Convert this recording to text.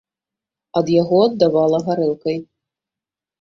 Ад яго аддавала гарэлкай.